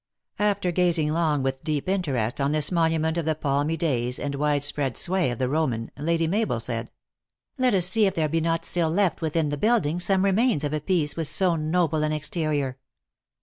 After gazing long with deep interest on this monu ment of the palmy days and wide spread sway of the Roman, Lady Mabel said :" Let us see if there be not still left within the building some remains of a piece with so noble an exterior."